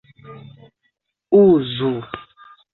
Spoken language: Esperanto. uzu